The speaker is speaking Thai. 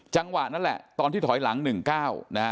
จังหวะนั่นแหละตอนที่ถอยหลัง๑๙นะฮะ